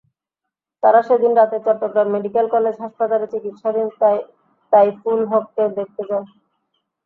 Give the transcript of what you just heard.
তাঁরা সেদিন রাতে চট্টগ্রাম মেডিকেল কলেজ হাসপাতালে চিকিৎসাধীন তাইফুল হককে দেখতে যান।